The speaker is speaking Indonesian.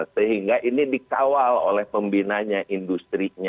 sehingga ini dikawal oleh pembinanya industri nya